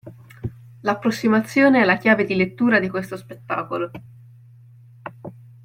L'approssimazione è la chiave di lettura di questo spettacolo.